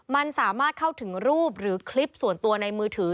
มันสามารถเข้าถึงรูปหรือคลิปส่วนตัวในมือถือ